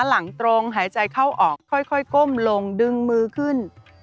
หลังตรงหายใจเข้าออกค่อยก้มลงดึงมือขึ้น